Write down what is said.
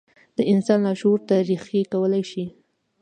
د انسان لاشعور ته رېښې کولای شي.